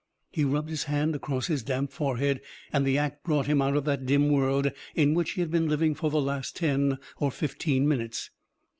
He rubbed his hand across his damp forehead and the act brought him out of that dim world in which he had been living for the last ten or fifteen minutes.